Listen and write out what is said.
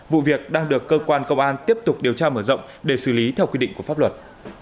vụ việc đang được cơ quan công an tiếp tục điều tra mở rộng để xử lý theo quy định của pháp luật